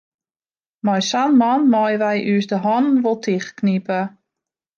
Mei sa'n man meie wy ús de hannen wol tichtknipe.